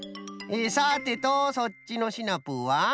さてとそっちのシナプーは？